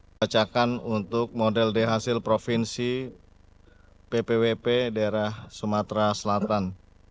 bacakan untuk model dhasil provinsi ppwp daerah sumatera selatan